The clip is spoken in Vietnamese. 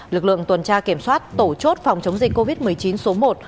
lực lượng tuần tra kiểm soát tổ chốt phòng chống dịch covid một mươi chín số một